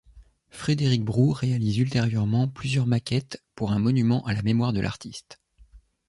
Frédéric Brou réalise ultérieurement plusieurs maquettes pour un monument à la mémoire de l'artiste.